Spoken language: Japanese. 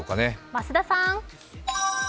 増田さん！